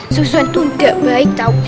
susun itu gak baik tau